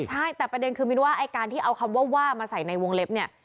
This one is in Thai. ใช่แต่ประเด็นคือมินว่าไอ้การที่เอาคำว่าว่ามาใส่ในวงเล็บเนี่ย